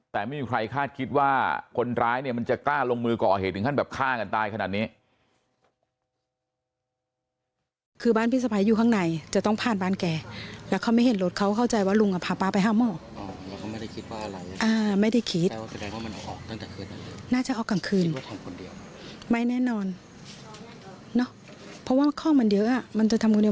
แต่ไม่มีใครคาดคิดว่าคนร้ายเนี่ยมันจะกล้าลงมือก่อเหตุถึงขั้นแบบฆ่ากันตายขนาดนี้